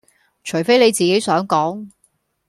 除非你自己想講